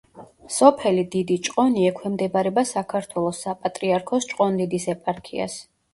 სოფელი დიდი ჭყონი ექვემდებარება საქართველოს საპატრიარქოს ჭყონდიდის ეპარქიას.